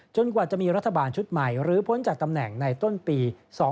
กว่าจะมีรัฐบาลชุดใหม่หรือพ้นจากตำแหน่งในต้นปี๒๕๖